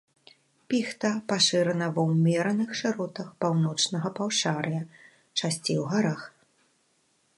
Піхта пашырана ва ўмераных шыротах паўночнага паўшар'я, часцей у гарах.